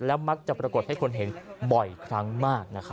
มักจะปรากฏให้คนเห็นบ่อยครั้งมากนะครับ